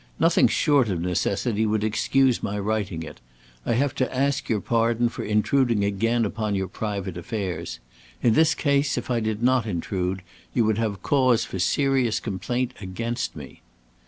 Nothing short of necessity would excuse my writing it. I have to ask your pardon for intruding again upon your private affairs. In this case, if I did not intrude, you would have cause for serious complaint against me.